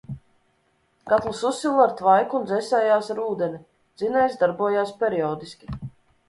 Katls uzsila ar tvaiku un dzesējās ar ūdeni: dzinējs darbojās periodiski.